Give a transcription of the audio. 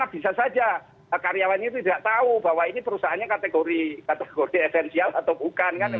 bisa saja karyawan itu tidak tahu bahwa ini perusahaannya kategori esensial atau bukan kan